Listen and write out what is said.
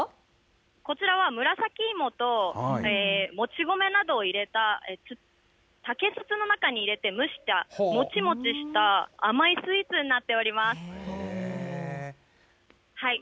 こちらは紫芋ともち米などを入れた、竹筒の中に入れて、蒸した、もちもちした甘いスイーツになっております。